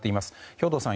兵頭さん